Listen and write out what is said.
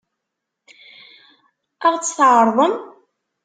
Ad ɣ-tt-tɛeṛḍem?